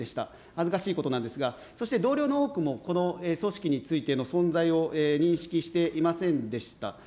恥ずかしいことなんですが、そして、同僚の多くも、この組織についての存在を認識していませんでした。